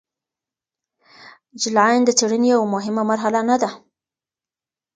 جلاین د څیړنې یوه مهمه مرحله نه ده.